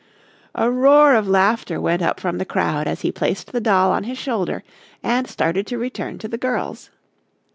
A roar of laughter went up from the crowd as he placed the doll on his shoulder and started to return to the girls.